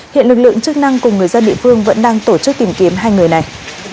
hiện lực lượng chức năng cùng người dân địa phương vẫn đang tổ chức tìm kiếm hai người này